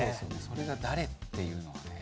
それが誰っていうのはね。